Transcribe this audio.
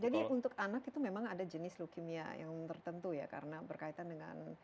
jadi untuk anak itu memang ada jenis leukemia yang tertentu ya karena berkaitan dengan usianya